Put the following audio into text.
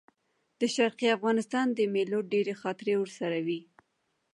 د شرقي افغانستان د مېلو ډېرې خاطرې ورسره وې.